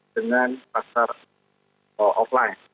dengan pasar offline